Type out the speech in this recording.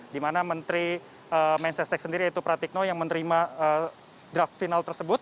di mana menteri mensesnek sendiri yaitu pratikno yang menerima draft final tersebut